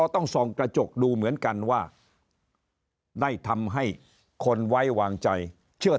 ต้องส่องกระจกดูเหมือนกันว่าได้ทำให้คนไว้วางใจเชื่อ